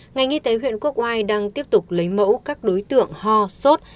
ngành y tế huyện quốc oai đang tiếp tục lấy mẫu các đối tượng ho sốt